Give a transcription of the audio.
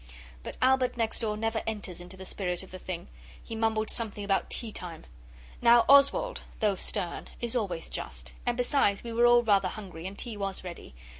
But Albert next door never enters into the spirit of a thing. He mumbled something about tea time. Now Oswald, though stern, is always just, and besides we were all rather hungry, and tea was ready.